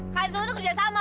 kan semua itu kerja sama